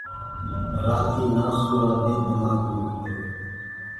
رآتي نآ سورآ دي دمآڪ دُکدوئي